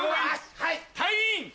はい！